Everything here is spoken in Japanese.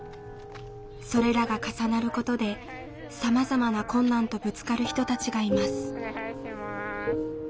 それらが重なることでさまざまな困難とぶつかる人たちがいます。